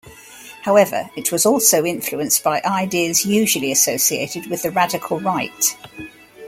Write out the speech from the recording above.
However, it was also influenced by ideas usually associated with the radical right.